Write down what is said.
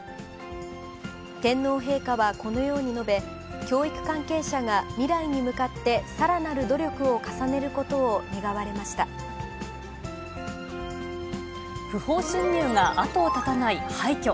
天皇陛下はこのように述べ、教育関係者が未来に向かってさらなる努力を重ねることを願われま不法侵入が後を絶たない廃虚。